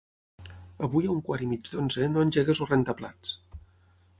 Avui a un quart i mig d'onze no engeguis el rentaplats.